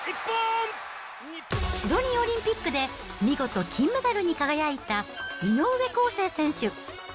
シドニーオリンピックで見事、金メダルに輝いた井上康生選手。